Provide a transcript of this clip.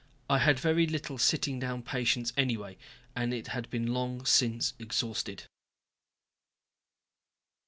I had very little sitting down patience anyway, and it had been long since exhausted.